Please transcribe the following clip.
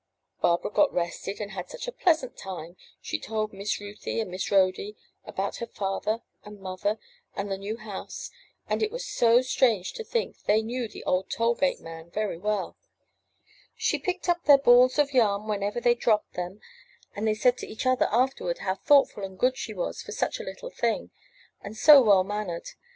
Barbara got rested and had such a pleasant time. She told Miss Ruthy and Miss Rhody about her father and mother and the new house, and it was so strange to think they knew the old toll gate man very well. She picked up their balls of yarn whenever they 444 UP ONE PAIR OF STAIRS dropped them, and they said to each other afterward how thoughtful and good she was for such a Httle thing, and so well mannered.